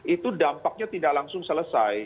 itu dampaknya tidak langsung selesai